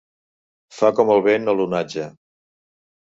Fa com el vent o l'onatge.